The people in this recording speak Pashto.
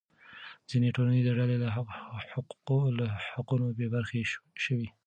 ځینې ټولنیزې ډلې له حقونو بې برخې شوې.